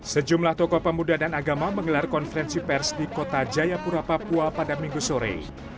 sejumlah tokoh pemuda dan agama mengelar konferensi pers di kota jayapura papua pada minggu sore